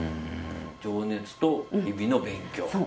情熱と日々の勉強。